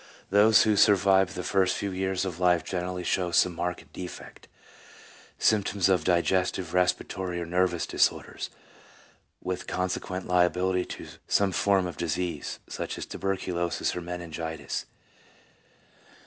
Those who survive the first few years of life generally show some marked defect — symptoms of digestive, respira tory, or nervous disorders, with consequent liability to some form of disease, such as tuberculosis or menin gitis.